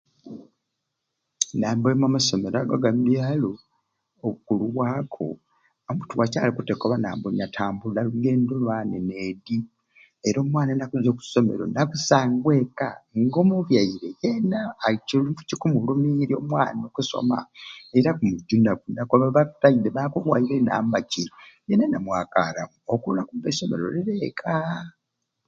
Namba emwei amasomero ago aga mbyalo obukulu bwago tiwakyaliku kukobate nambu nyatambula lugendo lwani needi era omwana nakuzwa okusomero nakusangwa ekka nga omubyaire yena kikumulumirya omwana okusoma era akumujunaku nakoba taide bakuwairye nambaki yena namwakaramu obwo olwakuba esomero riri ekka.